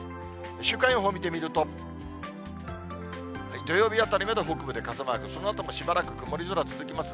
週間予報見てみると、土曜日あたり、北部で傘マーク、そのあともしばらく曇り空続きます。